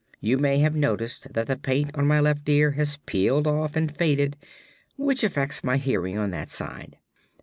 You may have noticed that the paint on my left ear has peeled off and faded, which affects my hearing on that side.